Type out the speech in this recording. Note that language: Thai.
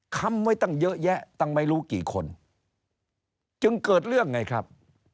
คำไว้ตั้งเยอะแยะตั้งไม่รู้กี่คนจึงเกิดเรื่องไงครับ